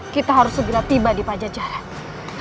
kita harus segera tiba di pajajaran